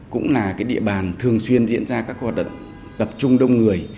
cũng là địa bàn thường xuyên diễn ra các hoạt động tập trung đông người